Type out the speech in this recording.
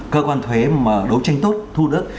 cơ quan thuế mà đấu tranh tốt thu được